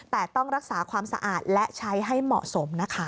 แต่ต้องรักษาความสะอาดและใช้ให้เหมาะสมนะคะ